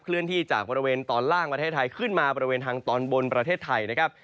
เลื่อนที่จากบริเวณตอนล่างประเทศไทยขึ้นมาบริเวณทางตอนบนประเทศไทยนะครับ